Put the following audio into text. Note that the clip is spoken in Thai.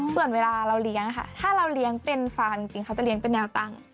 ส่วนเวลาเราเลี้ยงค่ะถ้าเราเลี้ยงเป็นฟาร์จริงเขาจะเลี้ยงเป็นแนวตั้ง